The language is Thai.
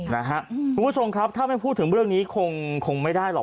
คุณผู้ชมครับถ้าไม่พูดถึงเรื่องนี้คงไม่ได้หรอก